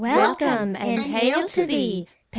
Welcome, and hail to thee !